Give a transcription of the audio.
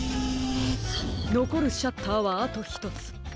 のこるシャッターはあとひとつ。